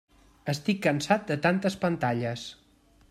Estic cansat de tantes pantalles.